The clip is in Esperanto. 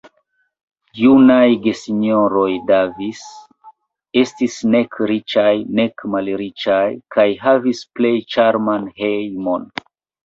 Junaj gesinjoroj Davis estis nek riĉaj, nek malriĉaj, kaj havis plej ĉarman hejmon.